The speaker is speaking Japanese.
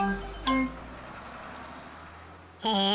へえ！